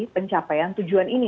pencapaian tujuan ini